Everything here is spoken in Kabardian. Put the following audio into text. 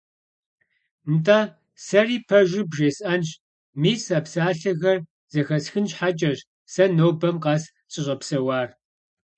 – НтӀэ, сэри пэжыр бжесӀэнщ: мис а псалъэхэр зэхэсхын щхьэкӀэщ сэ нобэм къэс сыщӀэпсэуар.